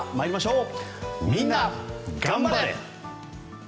みんながん晴れ！